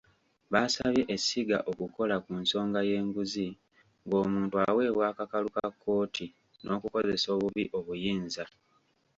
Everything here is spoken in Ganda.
Baasabye essiga okukola ku nsonga y'enguzi ng'omuntu aweebwa akakalu ka kkooti, n'okukozesa obubi obuyinza.